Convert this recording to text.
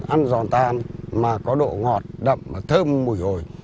ăn giòn tan mà có độ ngọt đậm và thơm mùi ổi